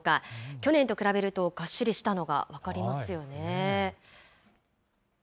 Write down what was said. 去年と比べると、がっしりしたのが分かりますよね。